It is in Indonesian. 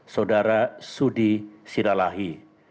saudara sudi siralahi